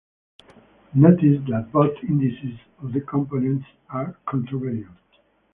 Notice that both indices of the components are contravariant.